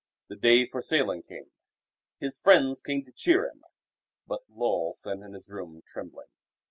The day for sailing came. His friends came to cheer him. But Lull sat in his room trembling.